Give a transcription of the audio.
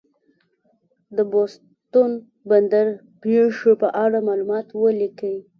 د بوستون بندر پېښې په اړه معلومات ولیکئ.